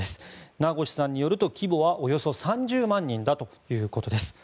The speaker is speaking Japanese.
名越さんによると規模はおよそ３０万人だということです。